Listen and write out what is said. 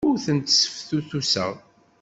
Ur tent-sseftutuseɣ.